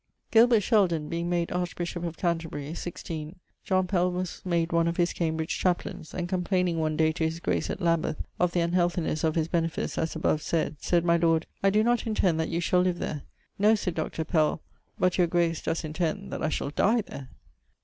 Gilbert Sheldon being made archbishop of Canterbury, 16 , John Pell[XLVI.] was made one of his Cambridge[XLVII.] chapleines; and complaining one day to his Grace at Lambith of the unhealthinesse of his benefice as abovesayd, sayd my Lord, 'I doe not intend that you shall live there.' 'No,' sayd [Doctor] Pell, ('but your grace does intend that) I shall die there.'